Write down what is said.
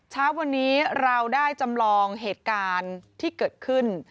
เช้าวันนี้เราได้จำลองเหตุการณ์ที่เกิดขึ้น